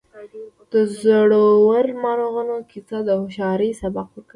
د زړورو مارغانو کیسه د هوښیارۍ سبق ورکوي.